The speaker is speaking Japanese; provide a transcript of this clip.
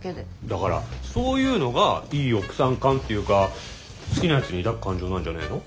だからそういうのがいい奥さん感っていうか好きな人に抱く感情なんじゃねえの？